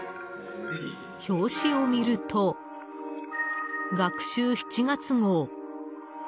表紙を見ると「学習」７月号。